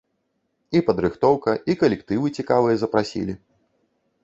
І падрыхтоўка, і калектывы цікавыя запрасілі.